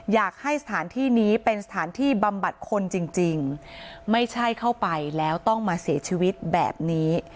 อยากให้สถานที่นี้เป็นสถานที่บำบัดคนจริงไม่ใช่เข้าไปแล้วต้องมาเสียชีวิตแบบนี้